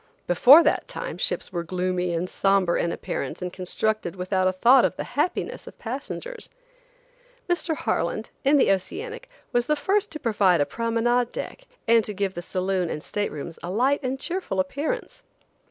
Before that time ships were gloomy and somber in appearance and constructed without a thought of the happiness of passengers. Mr. Harland, in the Oceanic, was the first to provide a promenade deck and to give the saloon and staterooms a light and cheerful appearance.